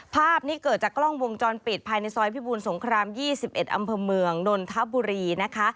ภาพนี้เกิดจากกล้องวงจรปิดภายในซอยพิบูลสงคราม๒๑อำเภอเมืองนนทบุรีนะคะ